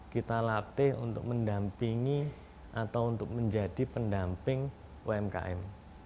kita latih untuk mendampingi atau untuk menjadi pendamping umkm